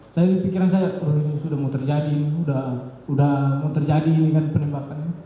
saya pikiran saya oh ini sudah mau terjadi sudah mau terjadi penembakan